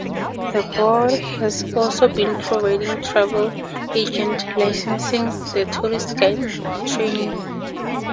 The board has also been providing travel agent licensing and tourist guide training.